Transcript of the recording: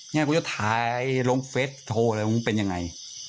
เนี่ยกูจะถ่ายลงเฟสโทรอะไรมันเป็นยังไง